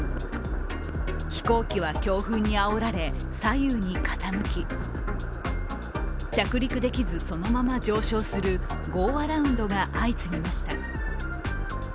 飛行機は強風にあおられ、左右に傾き、着陸できず、そのまま上昇するゴーアラウンドが相次ぎました。